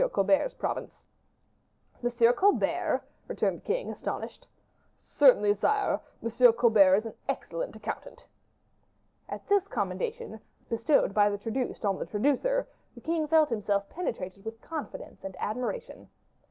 Colbert's province." "M. Colbert?" returned the king, astonished. "Certainly, sire; M. Colbert is an excellent accountant." At this commendation, bestowed by the traduced on the traducer, the king felt himself penetrated with confidence and admiration.